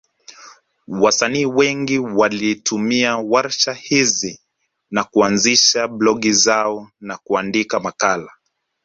Wasanii wengi walitumia warsha hizi na kuanzisha blogi zao na kuandika makala.